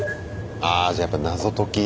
ああじゃやっぱ謎解き。